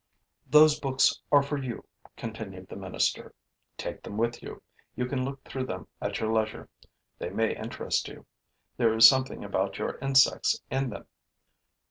'Those books are for you,' continued the minister. 'Take them with you. You can look through them at your leisure: they may interest you. There is something about your insects in them.